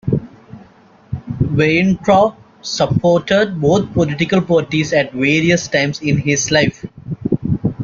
Weintraub supported both political parties at various times in his life.